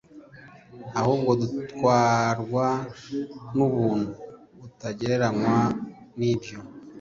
ahubwo dutwarwa n ubuntu butagereranywa n ibyo